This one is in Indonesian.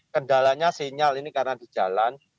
kendalanya sinyal ini karena di jalan